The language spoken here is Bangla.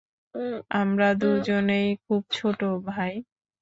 আমরা দুজনেই খুব ছোটো, ভাই।